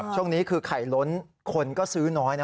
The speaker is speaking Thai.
ช่วงนี้คือไข่ล้นคนก็ซื้อน้อยนะ